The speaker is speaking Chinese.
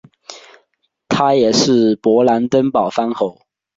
他也是勃兰登堡藩侯。